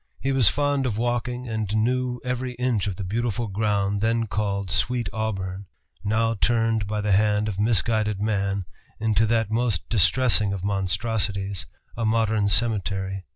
He was fond of walking and knew every inch of the beautiful ground then called "Sweet Auburn," now turned by the hand of misguided man into that most distressing of monstrosities a modern cemetery.